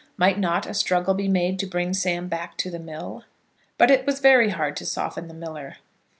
Might not a struggle be made to bring Sam back to the mill? But it was very hard to soften the miller.